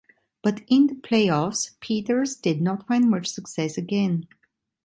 But in the playoffs, Peeters did not find much success again.